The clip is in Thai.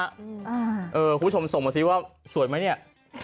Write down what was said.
คุณผู้ชมส่งมาซิว่าสวยไหมเนี่ย